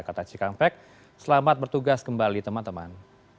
kata cikangpek selamat bertugas kembali teman teman